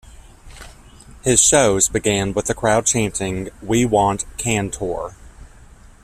His shows began with a crowd chanting We want Can-tor!